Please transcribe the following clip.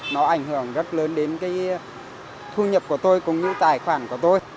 nó ảnh hưởng rất lớn đến cái thu nhập của tôi cũng như tài khoản của tôi